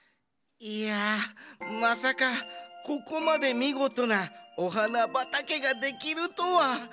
いやまさかここまでみごとなお花ばたけができるとは！